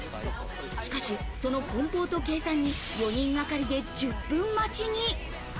しかし、その梱包と計算に４人がかりで１０分待ちに。